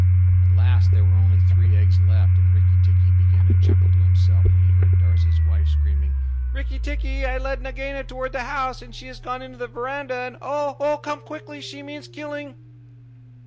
At last there were only three eggs left, and Rikki tikki began to chuckle to himself, when he heard Darzee's wife screaming: "Rikki tikki, I led Nagaina toward the house, and she has gone into the veranda, and oh, come quickly she means killing!"